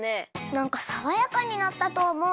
なんかさわやかになったとおもう。